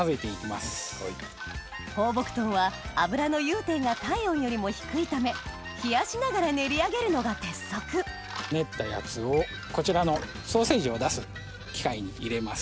放牧豚は脂の融点が体温よりも低いため冷やしながら練り上げるのが鉄則練ったやつをこちらのソーセージを出す機械に入れます。